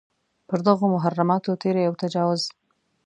پر دغو محرماتو تېری او تجاوز.